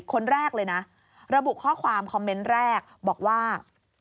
คนแรกเลยนะระบุข้อความคอมเมนต์แรกบอกว่า